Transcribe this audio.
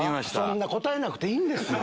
答えなくていいんですよ